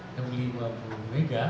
yang lima puluh mega